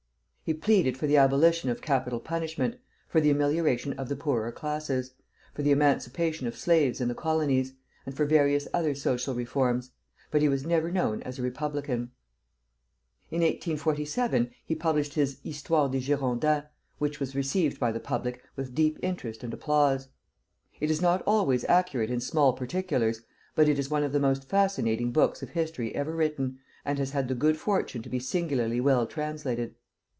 He pleaded for the abolition of capital punishment, for the amelioration of the poorer classes, for the emancipation of slaves in the colonies, and for various other social reforms; but he was never known as a republican. In 1847 he published his "Histoire des Girondins," which was received by the public with deep interest and applause. It is not always accurate in small particulars, but it is one of the most fascinating books of history ever written, and has had the good fortune to be singularly well translated.